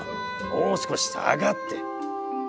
もう少し下がって」。